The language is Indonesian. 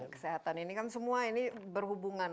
kesehatan ini kan semua ini berhubungan